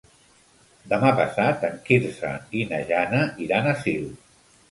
Demà passat en Quirze i na Jana iran a Sils.